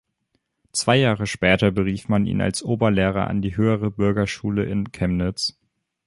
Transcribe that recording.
Zwei Jahre später berief man ihn als Oberlehrer an die Höhere Bürgerschule in Chemnitz.